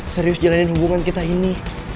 serius jalanin hubungan kita ini